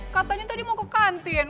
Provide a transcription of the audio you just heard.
katanya tadi mau ke kantin